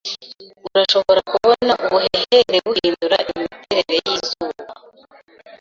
urashobora kubona ubuhehere buhindura imiterere yizuba.